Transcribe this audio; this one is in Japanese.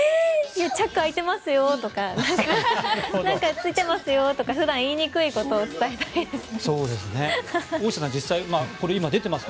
チャック開いてますよ！とか何かついてますよ！とか普段、言いにくいことを伝えたいですね。